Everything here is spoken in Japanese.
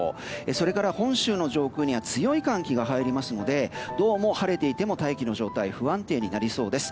それから本州の上空には強い寒気が入りますのでどうも晴れていても大気の状態が不安定になりそうです。